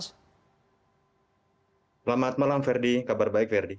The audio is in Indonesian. selamat malam ferdi kabar baik verdi